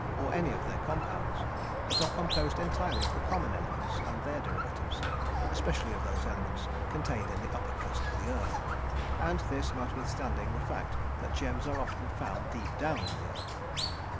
or any of their compounds, but are composed entirely of the common elements and their derivatives, especially of those elements contained in the upper crust of the earth, and this notwithstanding the fact that gems are often found deep down in the earth.